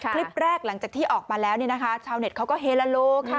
คลิปแรกหลังจากที่ออกมาแล้วชาวนี้เขาก็เฮลโล